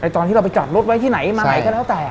ตอนที่เราไปจอดรถไว้ที่ไหนมาไหนก็แล้วแต่